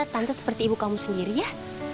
tante seperti ibu kamu sendiri ya